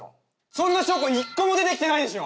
そんな証拠１個も出てきてないでしょ！